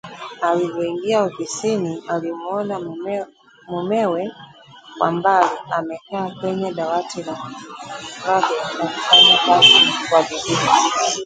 Alivyoingia ofisini, alimuona mumewe kwa mbali amekaa kwenye dawati lake akifanya kazi kwa bidii